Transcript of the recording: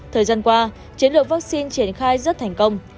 thời gian qua chiến lược vaccine triển khai rất thành công